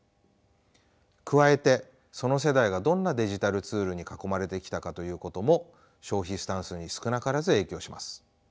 加えてその世代がどんなデジタルツールに囲まれてきたかということも消費スタンスに少なからず影響します。